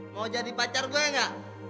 mau jadi pacar gue gak